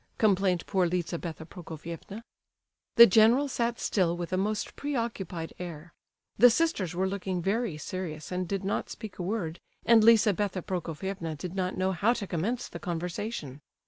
complained poor Lizabetha Prokofievna. The general sat still with a most preoccupied air. The sisters were looking very serious and did not speak a word, and Lizabetha Prokofievna did not know how to commence the conversation.